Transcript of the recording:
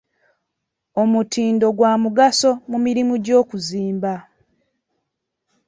Omutindo gwa mugaso mu mirimu gy'okuzimba.